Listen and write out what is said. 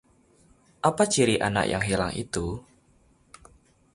apa ciri anak yang hilang itu?